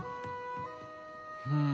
うん。